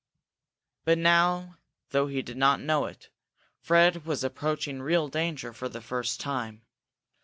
But now, though he did not know it, Fred was approaching real danger for the first time.